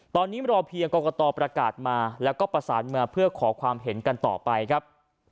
ตอนนี้รอเพียงกรกตประกาศมาแล้วก็ประสานมาเพื่อขอความเห็นกันต่อไปครับ